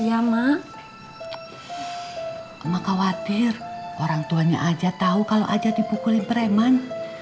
iya mak mak khawatir orang tuanya ajat tahu kalau ajat dipukulin preman